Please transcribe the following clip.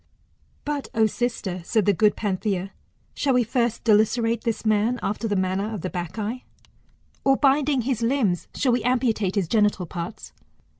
"But O sister, said the good Panthia, shall we first dilacerate this man after the manner of the Bacchae^^, or, binding his limbs, shall we amputate his genital parts